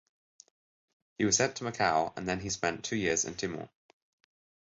He was sent to Macao and then he spent two years in Timor.